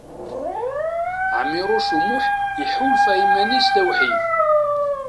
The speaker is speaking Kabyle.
Ɛmiṛuc U Muḥ iḥulfa iman-is d awḥid.